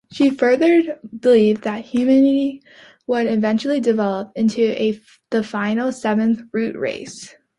She further believed that humanity would eventually develop into the final, seventh Root Race.